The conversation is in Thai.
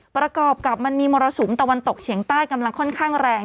ประกอบกับมันมีมรสุมตะวันตกเฉียงใต้กำลังค่อนข้างแรง